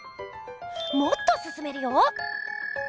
もっとすすめるよ！